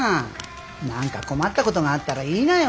何か困ったことがあったら言いなよ。